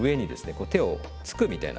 手をつくみたいな。